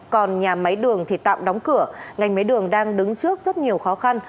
còn nhà máy đường thì tạm đóng cửa ngành máy đường đang đứng trước rất nhiều khó khăn